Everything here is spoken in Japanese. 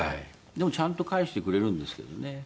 でもちゃんと返してくれるんですけどね。